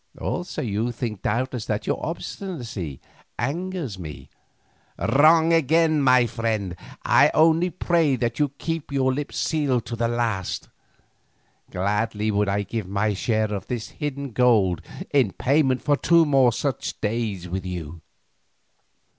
Also you think doubtless that your obstinacy angers me? Wrong again, my friend, I only pray that you may keep your lips sealed to the last. Gladly would I give my share of this hidden gold in payment for two more such days with you.